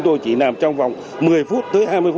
thì đã có thể thực hiện tại